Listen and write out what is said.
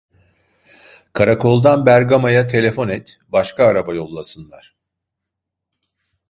Karakoldan Bergama'ya telefon et, başka araba yollasınlar.